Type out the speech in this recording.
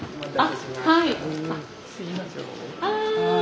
ああ。